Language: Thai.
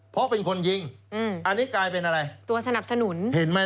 เพราะเป็นคนยิงอืมอันนี้กลายเป็นอะไรตัวสนับสนุนเห็นไหม